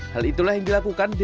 hal itulah yang dilakukan denok uu